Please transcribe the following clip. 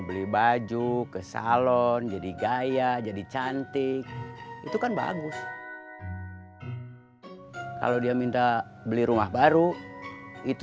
beli baju ke salon jadi gaya jadi cantik itu kan bagus kalau dia minta beli rumah baru itu